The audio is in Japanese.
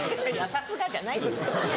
「さすが」じゃないんですよ。